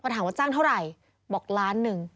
เท่าไหร่บอกล้านหนึ่ง